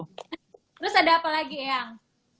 terus ada apa lagi yang